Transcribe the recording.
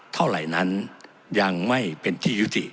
เท่าไหร่นั้นยังไม่เป็นที่ยุติ